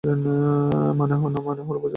মানে, মানে হল, বোঝাতে চাচ্ছি।